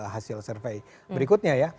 hasil survei berikutnya ya